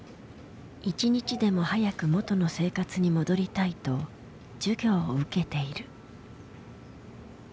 １日でも早く元の生活に戻りたいと授業を受けている。